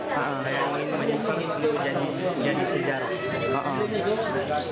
saya ingin menjadi sejarah